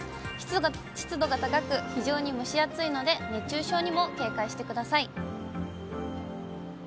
湿度が高く、非常に蒸し暑いので、熱中症にも警戒してください。